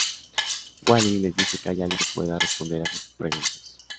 Wally les dice que hay alguien que pueda responder a sus preguntas.